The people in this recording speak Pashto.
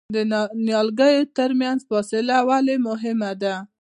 د نیالګیو ترمنځ فاصله ولې مهمه ده؟